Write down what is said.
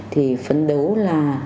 thì phấn đấu là